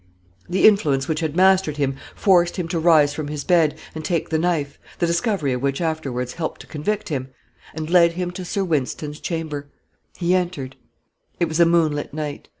The influence which had mastered him forced him to rise from his bed, and take the knife the discovery of which afterwards helped to convict him and led him to Sir Wynston's chamber; he entered; it was a moonlight night."